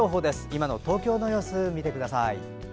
今の東京の様子見てください。